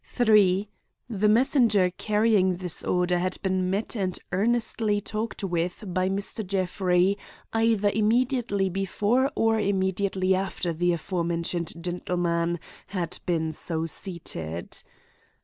3. The messenger carrying this order had been met and earnestly talked with by Mr. Jeffrey either immediately before or immediately after the aforementioned gentleman had been so seated.